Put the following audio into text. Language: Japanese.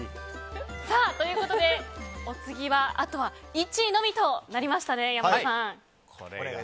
ということで、お次はあとは１位のみとなりました。